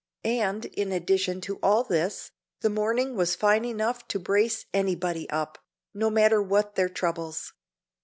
And in addition to all this, the morning was fine enough to brace anybody up, no matter what their troubles.